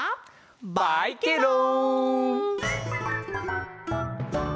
バイケロン！